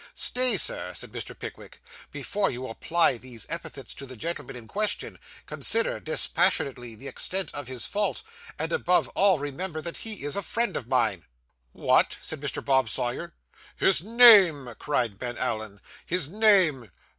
'Stay, sir,' said Mr. Pickwick; 'before you apply those epithets to the gentleman in question, consider, dispassionately, the extent of his fault, and above all remember that he is a friend of mine.' 'What!' said Mr. Bob Sawyer. 'His name!' cried Ben Allen. 'His name!